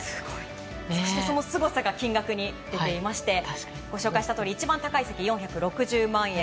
そしてそのすごさが金額に出ていましてご紹介したとおり一番高い席４６０万円。